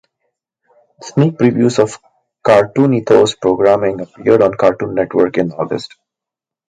Sneak previews of Cartoonito’s programming appeared on Cartoon Network in August.